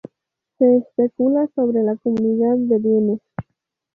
Se especula sobre la comunidad de bienes.